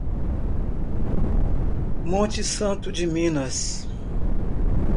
Monte Santo de Minas